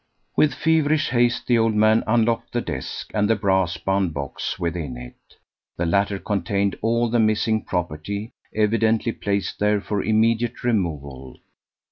With feverish haste the old man unlocked the desk and the brass bound box within it. The latter contained all the missing property, evidently placed there for immediate removal.